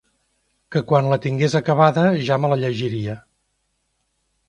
Que quan la tingués acabada ja me la llegiria.